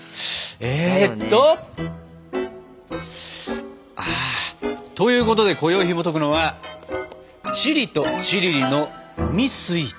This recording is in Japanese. えっと。ということでこよいひもとくのは「チリとチリリ」の海スイーツ。